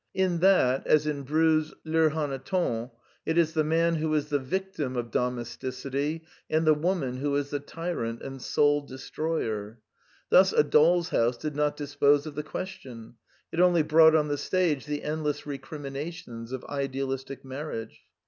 In that, as in Brieux's Les Hannetons, it is the man who is the victim of domesticity, and the woman who is the tyrant and soul destroyer. Thus A Doll's House did not dispose of the question: it only brought on the stage the endless recrimina tions of idealistic marriage.